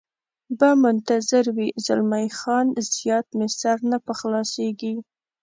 به منتظر وي، زلمی خان: زیات مې سر نه په خلاصېږي.